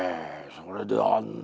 それであんな